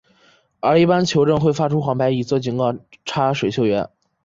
而一般球证会发出黄牌以作警告插水球员。